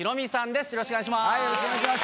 よろしくお願いします。